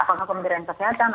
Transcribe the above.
apakah kementerian kesehatan